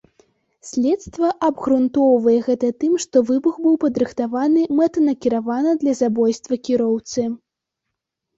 Следства абгрунтоўвае гэта тым, што выбух быў падрыхтаваны мэтанакіравана для забойства кіроўцы.